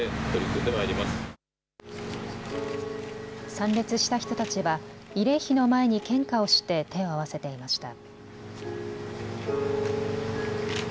参列した人たちは慰霊碑の前に献花をして手を合わせていました。